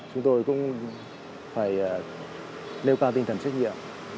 chúng tôi cũng phải nêu cao tinh thần trách nhiệm